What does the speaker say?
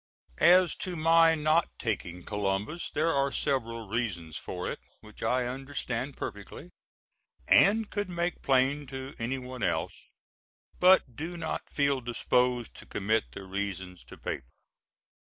As to my not taking Columbus there are several reasons for it which I understand perfectly and could make plain to any one else, but do not feel disposed to commit the reasons to paper.